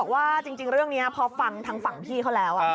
ว่าจริงเรื่องนี้พอฟังทางฝั่งพี่เขาแล้ว